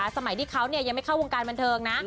สมัยที่เขายังไม่เข้าวงการบันเทิงนะ